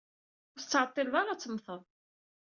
Ur tettɛeṭṭileḍ ara ad temmteḍ.